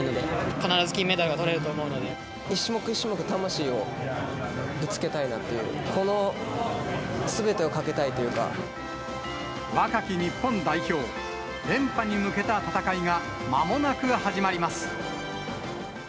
必ず金メダルがとれると思う一種目一種目、魂をぶつけたいなっていう、若き日本代表、連覇に向けた戦いがまもなく始まります。